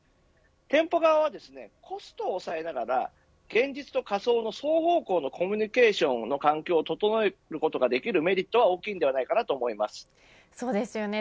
店舗側は、コストを抑えながら現実と仮想の双方向のコミュニケーションの環境を整えることができるメリットは大きいんではそうですよね